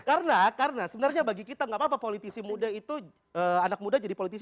karena karena sebenarnya bagi kita tidak apa apa politisi muda itu anak muda jadi politisi